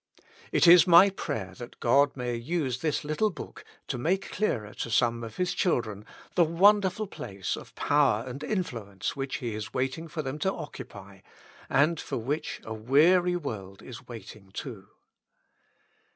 It is my prayer that God may use this little book to make clearer to some of His children the wonderful place of power and influence which He is waiting for them to occupy, and for which a weary world is waiting, too.